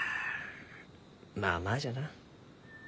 まあまあじゃな。